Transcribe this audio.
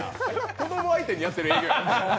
子供相手にやってる営業なの？